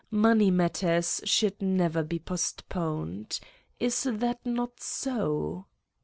Money matters should never be postponed. Is that not so